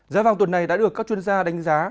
giá vàng tuần này đã được các chuyên gia đánh giá